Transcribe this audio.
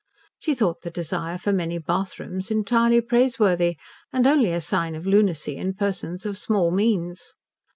She thought the desire for many bathrooms entirely praiseworthy, and only a sign of lunacy in persons of small means.